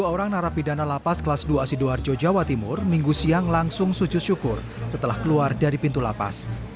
dua puluh orang narapidana lapas kelas dua sidoarjo jawa timur minggu siang langsung sujud syukur setelah keluar dari pintu lapas